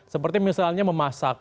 seperti misalnya memasak